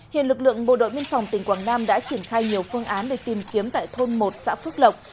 hiện lực lượng bộ đội biên phòng tỉnh quảng nam đã triển khai nhiều phương án để tìm kiếm tại thôn một xã phước lộc